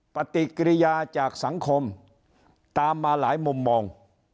ปฏิกิริยาจากสังคมตามมาหลายมุมมอง